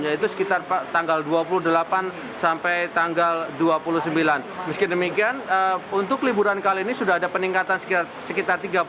yaitu sekitar tanggal dua puluh delapan sampai dua puluh tujuh